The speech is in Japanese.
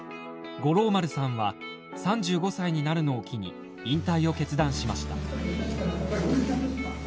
五郎丸さんは３５歳になるのを機に引退を決断しました。